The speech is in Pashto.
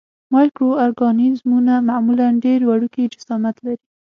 مایکرو ارګانیزمونه معمولاً ډېر وړوکی جسامت لري.